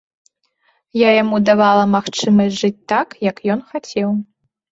Я яму давала магчымасць жыць так, як ён хацеў.